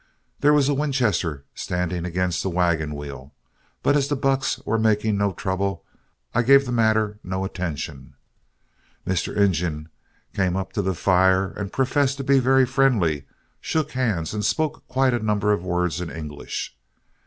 There was a Winchester standing against the wagon wheel, but as the bucks were making no trouble, I gave the matter no attention. Mr. Injun came up to the fire and professed to be very friendly, shook hands, and spoke quite a number of words in English.